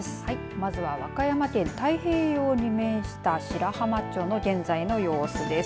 まずは和歌山県、太平洋に面した白浜町の現在の様子です。